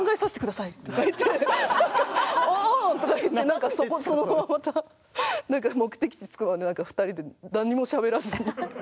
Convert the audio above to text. なんかそのまままた目的地着くまで２人で何にもしゃべらずに。